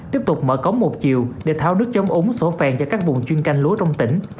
tiếp tục mở cống một chiều để tháo nước chống úng sổ phèn cho các vùng chuyên canh lúa trong tỉnh